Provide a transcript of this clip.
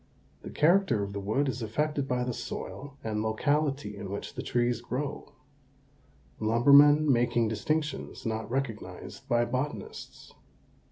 The character of the wood is affected by the soil and locality in which the trees grow, lumbermen making distinctions not recognized by botanists.